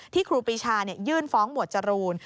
ครูปีชายื่นฟ้องหมวดจรูน